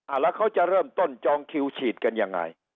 แล้วเขาจะเริ่มต้นจองคิวฉีดกันยังไง